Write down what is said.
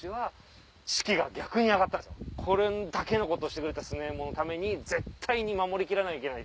これだけのことをしてくれた強右衛門のために絶対に守り切らなきゃいけない。